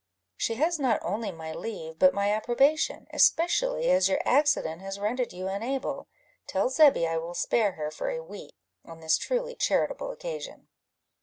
"She has not only my leave, but my approbation, especially as your accident has rendered you unable. Tell Zebby I will spare her for a week, on this truly charitable occasion."